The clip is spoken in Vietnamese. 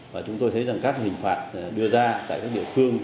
và chúng tôi thấy rằng các hình phạt đưa ra tại các địa phương